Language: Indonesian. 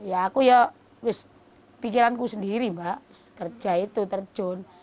aku ya pikiranku sendiri mbak kerja itu terjun